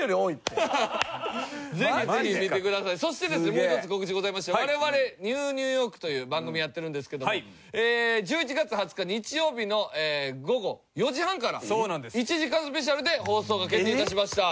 もう一つ告知ございまして我々『ＮＥＷニューヨーク』という番組やってるんですけども１１月２０日日曜日の午後４時半から１時間スペシャルで放送が決定致しました。